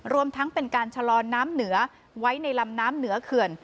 รวมทั้งเป็นการชะลอน้ำเหนือไว้ในลำน้ำเหนือเขื่อน